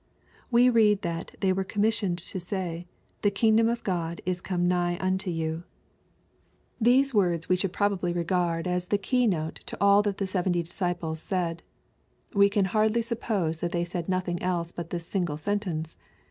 We read that they were commissioned to say, " The kingdom of Gkxi is come nigh unto you." liUKE, CHAP. X. 858 These words we should probably regard as the key note to all that the seventy disciples said. We can hardly suppose that they said nothlDg else but this single sentence.